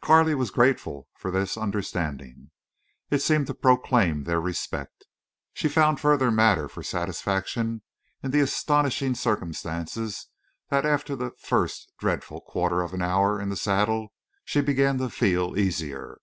Carley was grateful for this understanding. It seemed to proclaim their respect. She found further matter for satisfaction in the astonishing circumstance that after the first dreadful quarter of an hour in the saddle she began to feel easier.